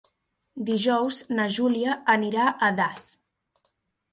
Dijous na Júlia anirà a Das.